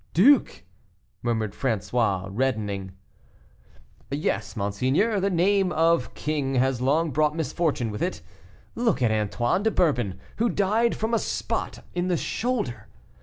"Duke!" murmured François, reddening. "Yes, monseigneur; the name of king has long brought misfortune with it. Look at Antoine de Bourbon, who died from a spot in the shoulder.